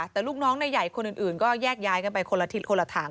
แต่ลูกน้องนายใหญ่คนอื่นก็แยกย้ายกันไปคนละทิศคนละทาง